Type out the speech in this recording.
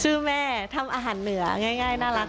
แม่ทำอาหารเหนือง่ายน่ารัก